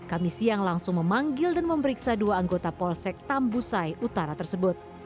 kami siang langsung memanggil dan memeriksa dua anggota polsek tambusai utara tersebut